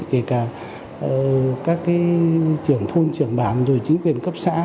kể cả các trưởng thôn trưởng bản rồi chính quyền cấp xã